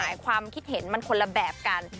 ความคิดเห็นมันคนละแบบกัน